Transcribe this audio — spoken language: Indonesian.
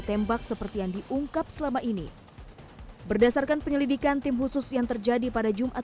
tembak seperti yang diungkap selama ini berdasarkan penyelidikan tim khusus yang terjadi pada jumat